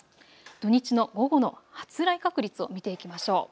土日の午後の発雷確率を見ていきましょう。